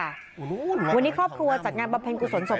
วันนี้ครอบครัวจัดงานบำเพ็ญกุศลศพ